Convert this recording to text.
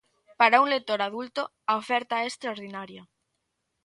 Para un lector adulto, a oferta é extraordinaria.